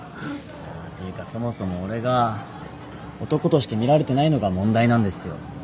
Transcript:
あていうかそもそも俺が男として見られてないのが問題なんですよ。